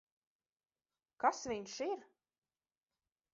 Kas viņš ir?